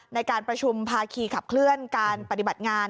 ในการประชุมภาคีขับเคลื่อนการปฏิบัติงาน